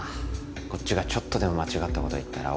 こっちがちょっとでも間違った事言ったら大喜び。